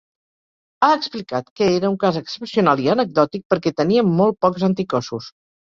Ha explicat que era un cas excepcional i “anecdòtic” perquè tenia molt pocs anticossos.